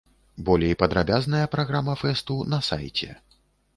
Болей падрабязная праграма фэсту на сайце.